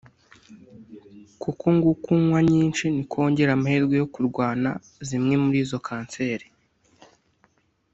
kuko ngo uko unywa nyinshi niko wongera amahirwe yo kurwana zimwe muri izo kanseri